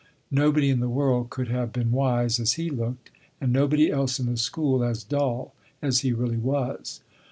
Nobody in the world could have been wise as he looked, and nobody else in the school as dull as he really was.